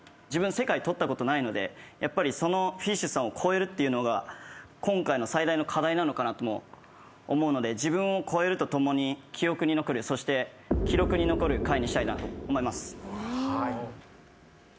自分世界取ったことないのでそのＦＩＳＨさんを超えるっていうのが今回の最大の課題なのかなとも思うので自分を超えるとともに記憶に残るそして記録に残る回にしたいなと思います。